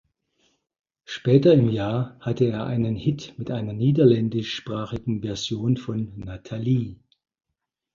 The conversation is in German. Später im Jahr hatte er einen Hit mit einer niederländischsprachigen Version von "Nathalie".